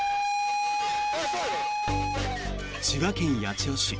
千葉県八千代市。